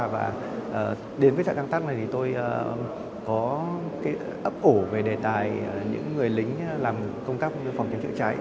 và đến với trại sáng tác này thì tôi có ấp ủ về đề tài những người lính làm công tác phòng chống chữa cháy